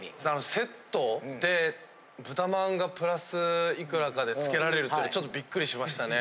セットって豚まんがプラスいくらかでつけられるってちょっとビックリしましたね。